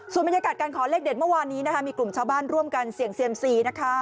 ส่วนบรรยากาศการขอเลขเด็ดเมื่อวานนี้นะคะมีกลุ่มชาวบ้านร่วมกันเสี่ยงเซียมซีนะคะ